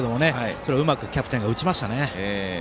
それをうまくキャプテンが打ちましたね。